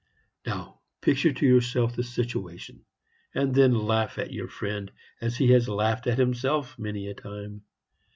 "Now, picture to yourself the situation, and then laugh at your friend as he has laughed at himself many a time.